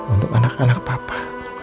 untuk anak anak papa